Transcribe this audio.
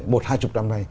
một hai chục năm nay